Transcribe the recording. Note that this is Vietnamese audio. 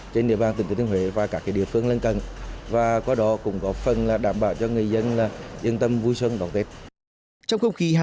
trên nền bang tỉnh tuyết thương huế và các địa phương lân cận